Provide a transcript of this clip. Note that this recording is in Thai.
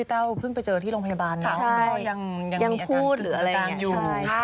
พี่เต้าพึ่งไปเจอที่โรงพยาบาลแล้วก็ยังมีอาการสื่อดันอยู่